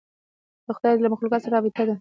د خدای له مخلوقاتو سره رابطه ده.